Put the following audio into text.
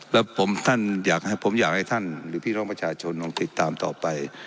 แล้วผมท่านอยากให้ผมอยากให้ท่านหรือพี่น้องประชาชนลองติดตามต่อไป